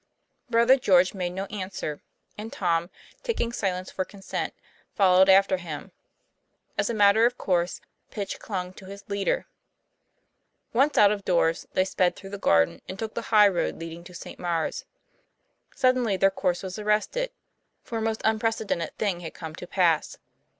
Brother George made no answer, and Tom, taking silence for consent, followed after him. As a matter of course, Pitch clung to his leader. Once out of doors, they sped through the garden, and took the high road leading to St. Maure's. Sud denly their course was arrested, for a most unprece dented thing had come to pass.